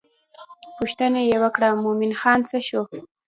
پوښتنه یې وکړه مومن خان څه شو.